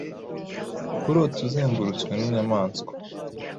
Kurota uzengurutswe n’inyamaswa